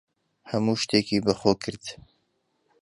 هەموو شتێکی بەخۆ کرد.